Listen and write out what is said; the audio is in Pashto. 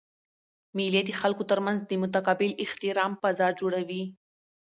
مېلې د خلکو ترمنځ د متقابل احترام فضا جوړوي.